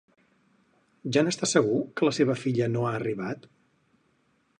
Ja n'està segur que la seva filla no ha arribat?